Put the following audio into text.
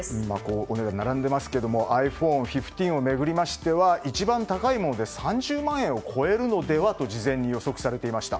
お値段が並んでいますけれどもｉＰｈｏｎｅ１５を巡りましては一番高いもので３０万円を超えるのではと事前に予測されていました。